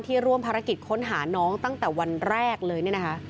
ร่วมภารกิจค้นหาน้องตั้งแต่วันแรกเลยเนี่ยนะคะ